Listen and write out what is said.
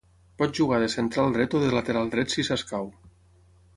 Pot jugar de central dret o de lateral dret si s'escau.